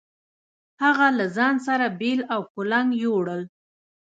هغه له ځان سره بېل او کُلنګ يو وړل.